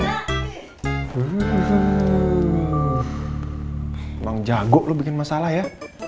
emang jago lo bikin masalah ya